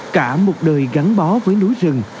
cả một đời gắn bó với núi rừng